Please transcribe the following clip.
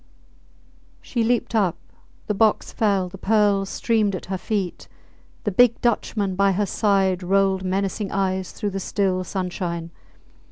She leaped up; the box fell; the pearls streamed at her feet. The big Dutchman by her side rolled menacing eyes through the still sunshine.